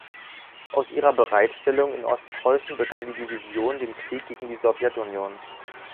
Aus ihrer Bereitstellung in Ostpreußen begann die Division den Krieg gegen die Sowjetunion.